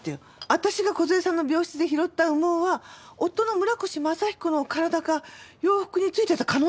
私が梢さんの病室で拾った羽毛は夫の村越正彦の体か洋服についてた可能性だってあるわよ。